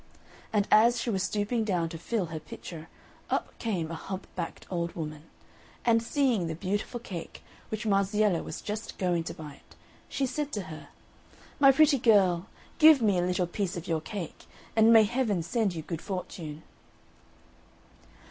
And as she was stooping down to fill her pitcher, up came a hump backed old woman, and seeing the beautiful cake, which Marziella was just going to bite, she said to her, "My pretty girl, give me a little piece of your cake, and may Heaven send you good fortune!"